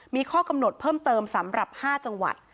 มีข้อกำหนดเพิ่มเติมสำหรับ๕จังหวัด